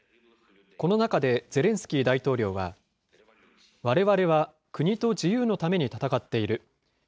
この中でゼレンスキー大統領は、われわれは国と自由のために戦っている。